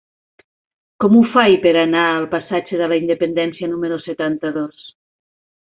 Com ho faig per anar al passatge de la Independència número setanta-dos?